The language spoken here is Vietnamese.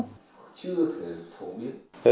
chưa thể phổ biến